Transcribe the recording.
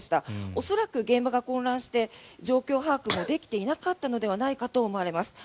恐らく現場が混乱して状況把握もできていなかったのではないかと思われます。